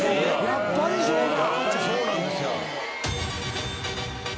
やっぱりそうだ。